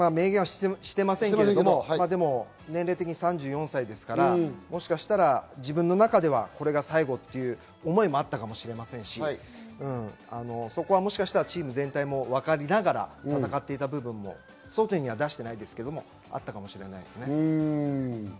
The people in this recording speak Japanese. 明言はしていませんけれど、年齢的に３４歳ですから、もしかしたら自分の中ではこれが最後という思いもあったかもしれませんし、もしかしたらチーム全体もわかりながら戦っていた部分も外へは出していないけれど、あったかもしれませんね。